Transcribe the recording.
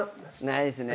ないですね。